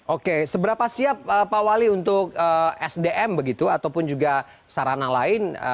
oke seberapa siap pak wali untuk sdm begitu ataupun juga sarana lain